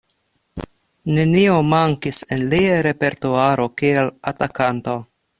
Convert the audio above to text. Nenio mankis en lia repertuaro kiel atakanto.